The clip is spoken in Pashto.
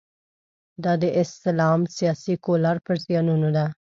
دا د اسلام سیاسي کولو پر زیانونو ده.